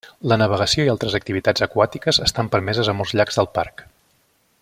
La navegació i altres activitats aquàtiques estan permeses a molts llacs del Parc.